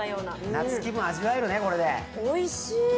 夏気分味わえるね、これで。